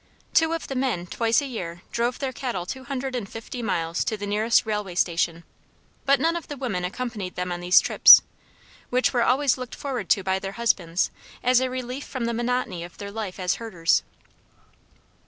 Two of the men twice a year drove their cattle two hundred and fifty miles to the nearest railway station, but none of the women accompanied them on these trips, which were always looked forward to by their husbands as a relief from the monotony of their life as herders.